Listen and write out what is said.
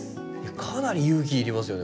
かなり勇気いりますよね